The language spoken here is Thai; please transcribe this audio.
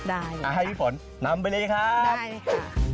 อาวุธให้พี่ฝนนำไปเลยครับ